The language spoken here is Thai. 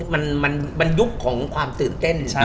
มันยุคของความตื่นเต้น